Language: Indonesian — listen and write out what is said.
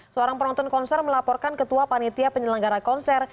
seorang penonton konser melaporkan ketua panitia penyelenggara konser